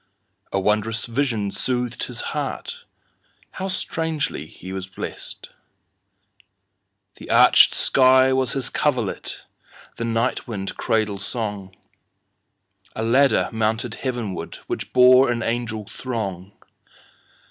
A wondrous vision soothed his heartHow strangely was he blessed! The arched sky was his coverlet, The night wind cradle song;A ladder mounted heavenwardWhich bore an angel throng.